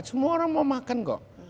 semua orang mau makan kok